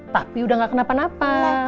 tapi udah gak kenapa napa